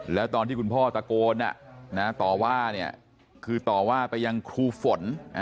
แล้วตอนที่คุณพ่อตะโกนต่อว่าไปยังครูฝน